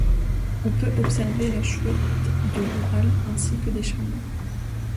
On peut observer la chouette de l'Oural, ainsi que des chamois.